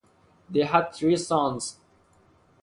They had three sons.